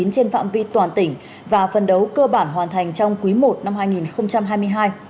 trên phạm vi toàn tỉnh và phân đấu cơ bản hoàn thành trong quý i năm hai nghìn hai mươi hai